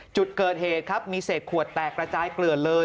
จุดเกิดเหตุครับมีเศษขวดแตกระจายเกลือนเลย